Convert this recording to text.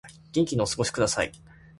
元気にお過ごしください